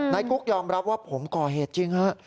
กุ๊กยอมรับว่าผมก่อเหตุจริงฮะ